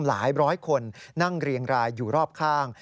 หลายร้อยคนนั่งเรียงรายอยู่รอบข้าง